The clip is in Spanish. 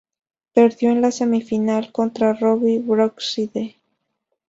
Perdió en la semifinal contra Robbie Brookside.